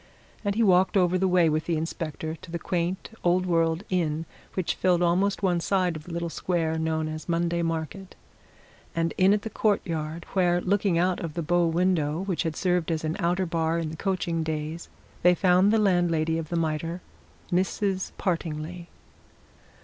And he walked over the way with the inspector, to the quaint old world inn which filled almost one side of the little square known as Monday Market, and in at the courtyard, where, looking out of the bow window which had served as an outer bar in the coaching days, they found the landlady of the Mitre, Mrs. Partingley.